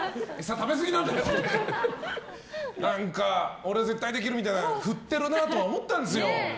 俺は絶対できるみたいなの振ってるなとは思ったんですよ。